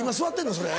それ。